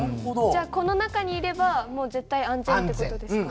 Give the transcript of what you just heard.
じゃあこの中にいればもう絶対安全って事ですか？